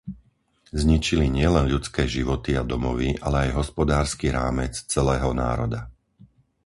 Zničili nielen ľudské životy a domovy, ale aj hospodársky rámec celého národa.